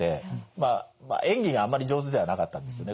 まあ演技があんまり上手ではなかったんですよね。